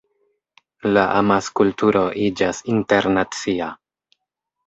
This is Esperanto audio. La amaskulturo iĝas internacia.